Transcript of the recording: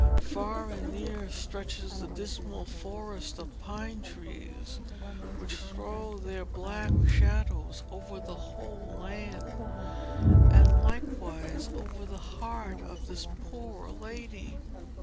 Far and near stretches the dismal forest of pine trees, which throw their black shadows over the whole land, and likewise over the heart of this poor lady.